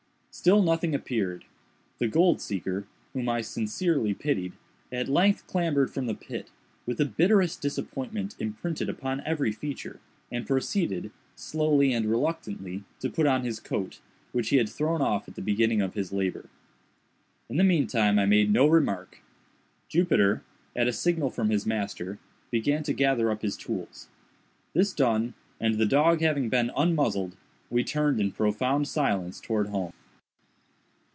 Still nothing appeared. The gold seeker, whom I sincerely pitied, at length clambered from the pit, with the bitterest disappointment imprinted upon every feature, and proceeded, slowly and reluctantly, to put on his coat, which he had thrown off at the beginning of his labor. In the mean time I made no remark. Jupiter, at a signal from his master, began to gather up his tools. This done, and the dog having been unmuzzled, we turned in profound silence towards home.